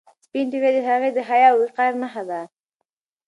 سپین ټیکری د هغې د حیا او وقار نښه وه.